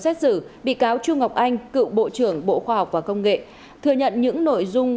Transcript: xét xử bị cáo trung ngọc anh cựu bộ trưởng bộ khoa học và công nghệ thừa nhận những nội dung